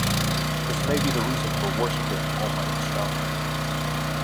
This may be the reason for worshiping Almight in Stone.